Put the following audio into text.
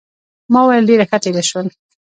ما وویل ډېره ښه تېره شول.